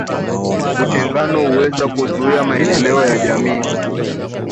Utengano huweza kuzuia maendeleo ya jamii